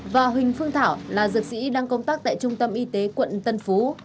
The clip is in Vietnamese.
và huỳnh phương thảo là dược sĩ đang công tác tại trung tâm y tế quận tân phú